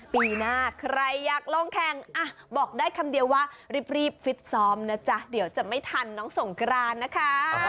ปีหน้าใครอยากลงแข่งบอกได้คำเดียวว่ารีบฟิตซ้อมนะจ๊ะเดี๋ยวจะไม่ทันน้องสงกรานนะคะ